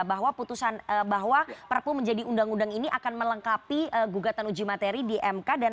bahwa putusan bahwa perpu menjadi undang undang ini akan melengkapi gugatan uji materi di mk